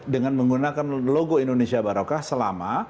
dengan menggunakan logo indonesia barokah selama